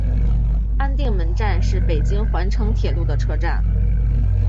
安定门站是北京环城铁路的车站。